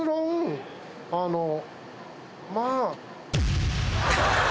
あのまあ。